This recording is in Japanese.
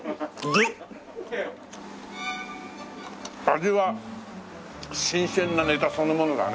味は新鮮なネタそのものだね。